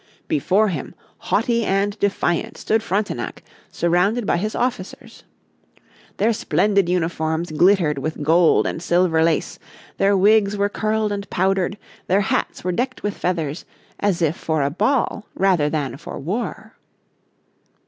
Before him, haughty and defiant, stood Frontenac surrounded by his officers. Their splendid uniforms glittered with gold and silver lace, their wigs were curled and powdered, their hats were decked with feathers, as if for a ball rather than for war.